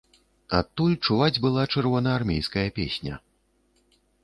Адтуль чуваць была чырвонаармейская песня.